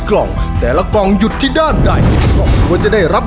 ครอบครัวของแม่ปุ้ยจังหวัดสะแก้วนะครับ